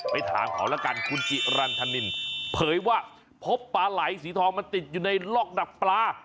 ถามเขาแล้วกันคุณจิรันทนินเผยว่าพบปลาไหลสีทองมันติดอยู่ในลอกดักปลา